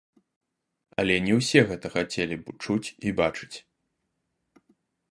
Але не ўсе гэта хацелі чуць і бачыць.